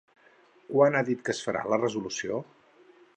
Quan ha dit que es farà la resolució?